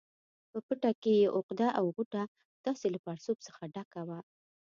په پټه کې یې عقده او غوټه داسې له پړسوب څخه ډکه وه.